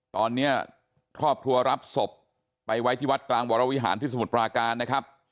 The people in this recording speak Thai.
ตอนนี้ครอบครัวรับศพไปไว้ที่วัดกลางวรวิหารที่สมุทรปราการนะครับ